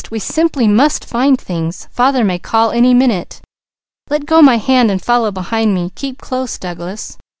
We simply must find things. Father may call any minute. Let go my hand and follow behind me. Keep close, Douglas!"